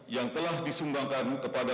yang telah disumbangkan kepada